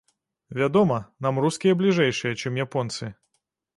Вядома, нам рускія бліжэйшыя, чым японцы.